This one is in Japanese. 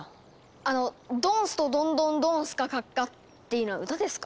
あの「ドンストドンドンドンスカカッカ」っていうのは歌ですか？